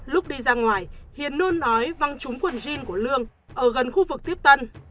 lúc đi ra ngoài hiền luôn nói văng trúng quần jean của lương ở gần khu vực tiếp tân